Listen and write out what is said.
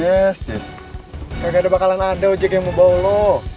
jas jas kayak gak ada bakalan ada aja yang mau bawa lo